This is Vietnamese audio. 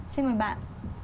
xin mời bạn